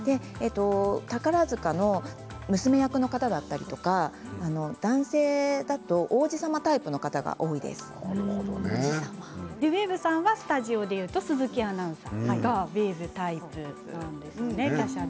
宝塚の娘役の方や男性だと王子様タイプの方がウエーブさんはスタジオでいうと鈴木アナウンサーですね。